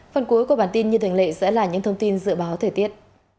phần cuối của bản tin như thường lệ sẽ là những thông tin dự báo thời tiết